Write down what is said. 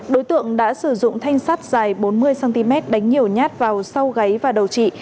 đối tượng đã sử dụng thanh sắt dài bốn mươi cm đánh nhiều nhát vào sau gáy và đầu trị